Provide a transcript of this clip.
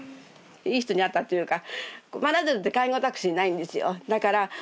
いい人に会ったというか。